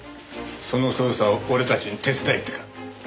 その捜査を俺たちに手伝えってか？